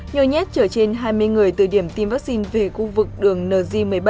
nhồi nhét chở trên hai mươi người từ điểm tiêm vaccine về khu vực đường ng một mươi bảy